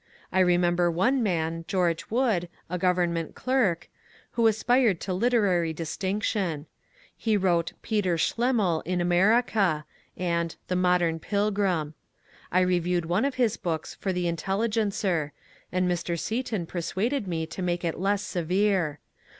I remember one man, George Wood, a government clerk, who aspired to literary distinction. He wrote ^* Peter Schlemihl in America " and *^ The Modem Pil grim." I reviewed one of his books for the ^* Intelligencer,'' and Mr. Seaton persuaded me to make it less severe.